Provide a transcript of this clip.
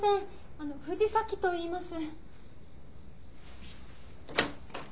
あの藤崎といいます。